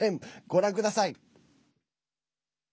ご覧ください。